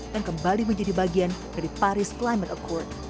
yang kembali menjadi bagian dari paris climate account